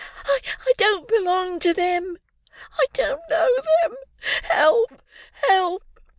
"I don't belong to them. I don't know them. Help! help!"